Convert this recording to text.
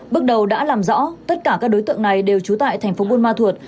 bước đầu đã làm rõ tất cả các đối tượng này đều trú tại thành phố bôn ma thuật